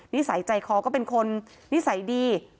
นิสัยใจคอก็เป็นคนนิสัยดี